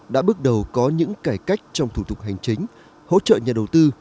đã bước đầu có những cải cách trong thủ tục hành chính hỗ trợ nhà đầu tư